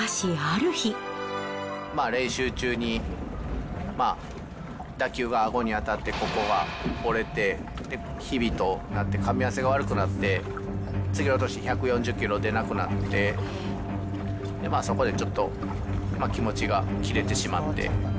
練習中に、まあ、打球があごに当たって、ここが折れて、ひびとなって、かみ合わせが悪くなって、次の年、１４０キロ出なくなって、そこでちょっと、まあ、気持ちが切れてしまって。